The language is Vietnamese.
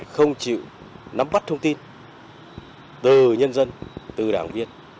không chịu nắm bắt thông tin từ nhân dân từ đảng viên